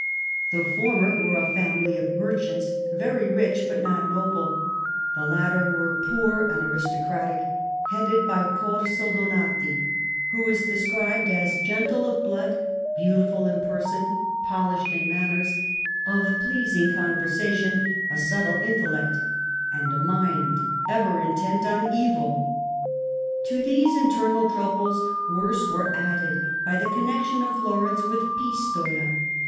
The former were a family of merchants, very rich but not noble ; the latter were poor and aristocratic, headed by Corso Donati who is described as :" gentle of blood, beautiful in person, pohshed in manners, of pleasing conversation, a subtle intellect and a mind ever intent on evil ". To these in ternal troubles worse were added by the connection of Florence with Pistoia.